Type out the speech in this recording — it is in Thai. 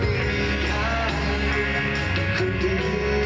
ไม่รัก